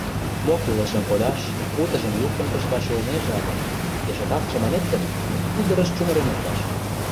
Мо кӱлешым кодаш, утыжым луктын кышкаш улнеже але, пешакак чаманет гын, пулдырыш чумырен опташ.